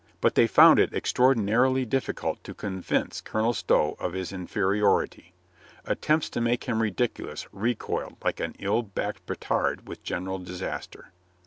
But they found it extraordi narily difficult to convince Colonel Stow of his in feriority. Attempts to make him ridiculous recoiled like an ill backed petard with general disaster.